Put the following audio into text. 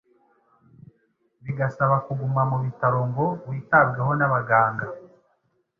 bigasaba kuguma mu bitaro ngo witabweho n’abaganga.